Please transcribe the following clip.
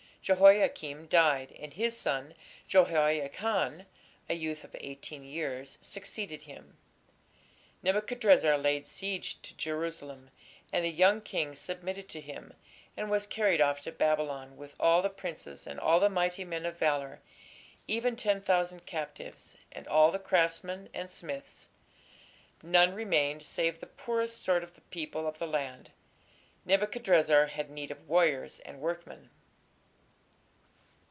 Jehoiakim died, and his son Jehoiachan, a youth of eighteen years, succeeded him. Nebuchadrezzar laid siege to Jerusalem, and the young king submitted to him and was carried off to Babylon, with "all the princes, and all the mighty men of valour, even ten thousand captives, and all the craftsmen and smiths: none remained save the poorest sort of the people of the land". Nebuchadrezzar had need of warriors and workmen.